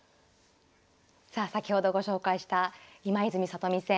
さあ先ほどご紹介した今泉・里見戦。